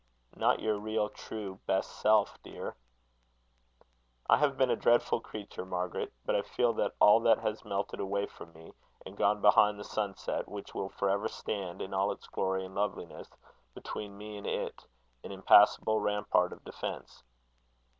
"Not your real, true, best self, dear." "I have been a dreadful creature, Margaret. But I feel that all that has melted away from me, and gone behind the sunset, which will for ever stand, in all its glory and loveliness, between me and it, an impassable rampart of defence."